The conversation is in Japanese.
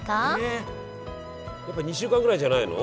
えやっぱ２週間ぐらいじゃないの？